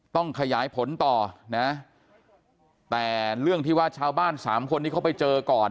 ต้องขยายผลต่อนะแต่เรื่องที่ว่าชาวบ้านสามคนที่เขาไปเจอก่อน